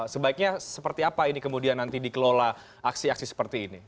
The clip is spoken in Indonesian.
sebaiknya seperti apa ini kemudian nanti dikelola aksi aksi seperti ini